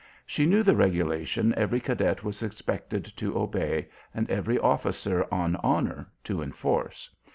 She knew the regulation every cadet was expected to obey and every officer on honor to enforce.